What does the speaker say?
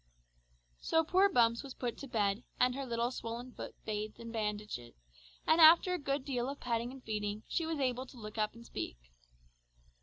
So poor Bumps was put to bed, and her little swollen foot bathed and bandaged, and after a good deal of petting and feeding, she was able to look up and speak.